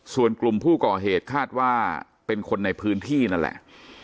ส่วนกลุ่มผู้ก่อเหตุคาดว่าเป็นคนในพื้นที่นั่นแหละ